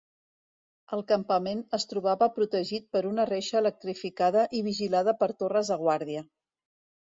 El campament es trobava protegit per una reixa electrificada i vigilada per torres de guàrdia.